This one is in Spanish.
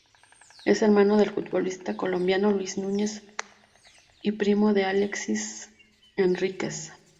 Es hermano del futbolista Colombiano Luis Alberto Núñez y primo de Alexis Henríquez.